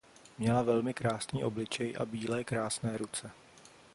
Měla velmi krásný obličej a bílé krásné ruce.